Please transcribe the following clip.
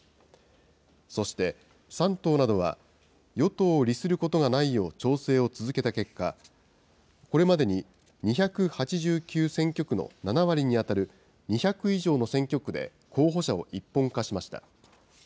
そして３党などは与党を利することがないよう調整を続けた結果、これまでに２８９選挙区の７割に当たる２００以上の選挙区で候補者を一本化しました。